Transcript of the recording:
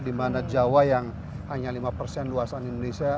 dimana jawa yang hanya lima persen luasan indonesia